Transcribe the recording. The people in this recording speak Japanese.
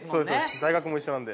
大学も一緒なんで。